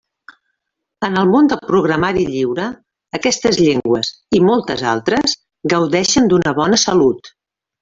En el món del programari lliure aquestes llengües, i moltes altres, gaudeixen d'una bona salut.